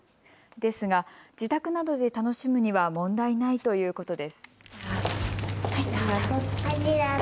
ですが自宅などで楽しむには問題ないということです。